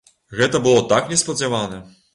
Гэта было так неспадзявана!